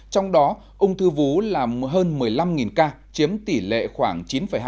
trong đó ung thư vú là hơn một mươi năm ca chiếm tỷ lệ khoảng chín hai